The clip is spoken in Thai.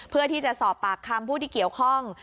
เพื่อที่จะสอบปากคำผู้ที่เกี่ยวข้อง